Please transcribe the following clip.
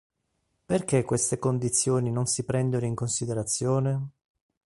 Perché queste condizioni non si prendono in considerazione?